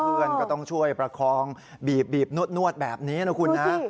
เพื่อนก็ต้องช่วยประคองบีบนวดแบบนี้นะคุณนะ